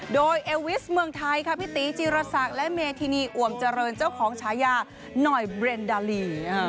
โดยเอวิสเมืองไทยค่ะพี่ตีจีรศักดิ์และเมธินีอ่วมเจริญเจ้าของฉายาหน่อยเบรนดดาลี